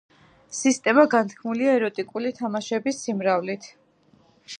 სისტემა განთქმულია ეროტიკული თამაშების სიმრავლით.